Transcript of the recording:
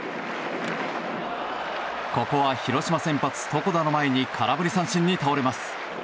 ここは広島先発、床田の前に空振り三振に倒れます。